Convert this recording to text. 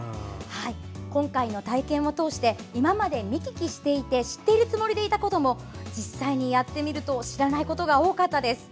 今回の体験を通して今まで見聞きして知っているつもりでいたことも実際にやってみると知らないことが多かったです。